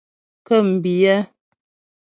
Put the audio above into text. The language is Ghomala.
Ŋkə̂mbiyɛ́.